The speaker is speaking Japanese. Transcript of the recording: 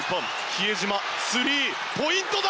比江島、スリーポイントだ！